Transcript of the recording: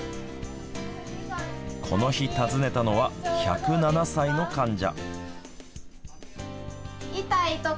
この日訪ねたのは１０７歳の患者。